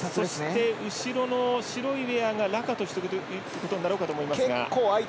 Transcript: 後ろの白いウェアがラカトシュということになろうかと思いますが。